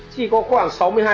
chỉ có khoảng